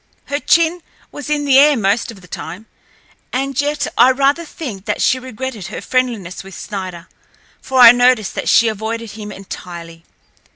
Her chin was in the air most of the time, and yet I rather think that she regretted her friendliness with Snider, for I noticed that she avoided him entirely.